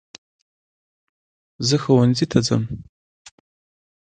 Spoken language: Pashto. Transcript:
زه ښونځي ته ځم.